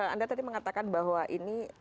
anda tadi mengatakan bahwa ini